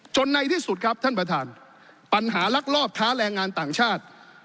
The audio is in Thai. ในที่สุดครับท่านประธานปัญหาลักลอบค้าแรงงานต่างชาติ